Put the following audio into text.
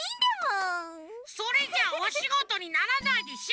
それじゃあおしごとにならないでしょ！